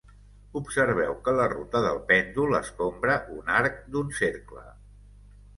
Observeu que la ruta del pèndol escombra un arc d'un cercle.